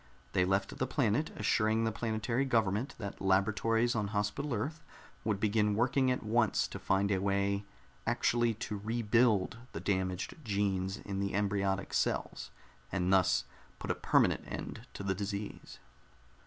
They left the planet, assuring the planetary government that laboratories on Hospital Earth would begin working at once to find a way actually to rebuild the damaged genes in the embryonic cells, and thus put a permanent end to the disease.